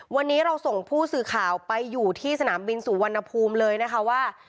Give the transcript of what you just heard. วันนี้เราส่งผู้สื่อข่าวไปอยู่ที่สนามบินสุวรรณภูมิเลยนะคะว่า